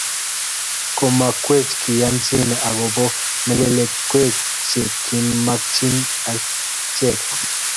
kumokwekwech kiyanchinny'ei akopo melekwek chekimechi achek